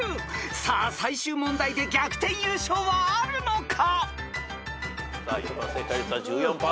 ［さあ最終問題で逆転優勝はあるのか？］